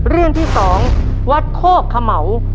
เรื่องที่๒วัดโคกเขม่า